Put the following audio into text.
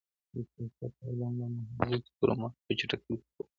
د سياست علم د مځکي پر مخ په چټکۍ خپور سو.